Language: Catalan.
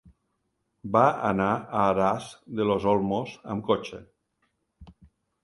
Va anar a Aras de los Olmos amb cotxe.